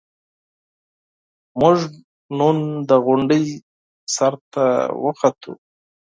موږ نن د غونډۍ سر ته وخوتو.